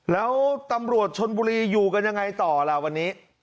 แล้วตำรวจชนบุรีอยู่กันยังไงต่อล่ะวันนี้